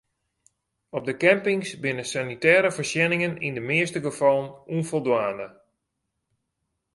Op de campings binne de sanitêre foarsjenningen yn de measte gefallen ûnfoldwaande.